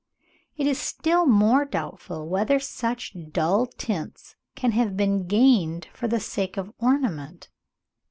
It is still more doubtful whether such dull tints can have been gained for the sake of ornament.